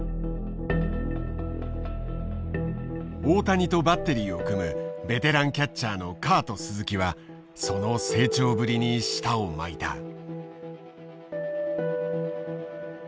大谷とバッテリーを組むベテランキャッチャーのカート・スズキはその成長ぶりに舌を巻いた。